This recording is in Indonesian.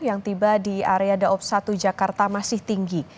yang tiba di area daob satu jakarta masih tinggi